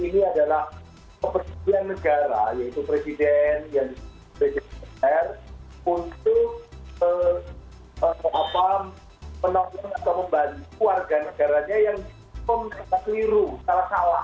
ini adalah kepentingan negara yaitu presiden yang disebut r untuk menolong atau membantu warga negaranya yang keliru salah salah